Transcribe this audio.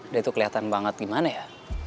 dia tuh keliatan banget gimana ya